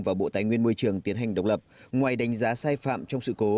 và bộ tài nguyên môi trường tiến hành độc lập ngoài đánh giá sai phạm trong sự cố